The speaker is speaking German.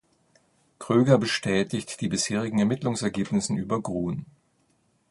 Kröger bestätigt die bisherigen Ermittlungsergebnisse über Gruhn.